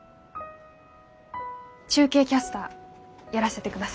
中継キャスターやらせてください。